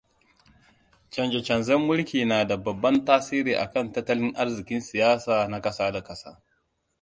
Canza-canzan mulki nada babban tasiri akan tattalin arzikin siyasa na kasa da kasa.